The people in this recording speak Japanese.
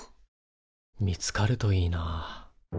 見つかるといいな。